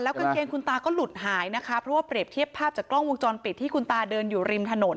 กางเกงคุณตาก็หลุดหายนะคะเพราะว่าเปรียบเทียบภาพจากกล้องวงจรปิดที่คุณตาเดินอยู่ริมถนน